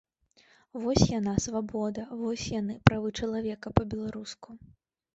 Вось яна, свабода, вось яны, правы чалавека па-беларуску!